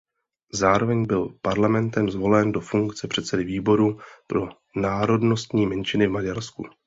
Zároveň byl parlamentem zvolen do funkce předsedy výboru pro národnostní menšiny v Maďarsku.